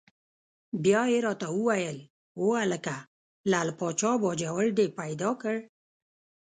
بیا یې را ته وویل: وهلکه لعل پاچا باجوړ دې پیدا کړ؟!